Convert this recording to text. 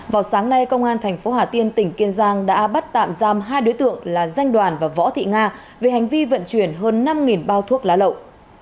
vào sáng nay công an tp hà tiên tỉnh kiên giang đã bắt tạm giam hai đối tượng là danh đoàn và võ thị nga về hành vi vận chuyển hơn năm bao thuốc lá lậu